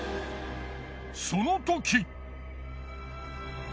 そのとき。